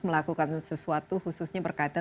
melakukan sesuatu khususnya berkaitan